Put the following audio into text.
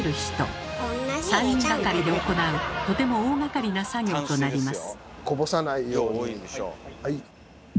３人がかりで行うとても大がかりな作業となります。